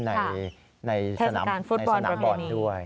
ในสนามบอลด้วย